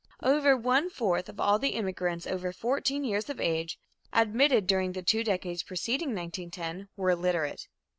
Over one fourth of all the immigrants over fourteen years of age, admitted during the two decades preceding 1910, were illiterate.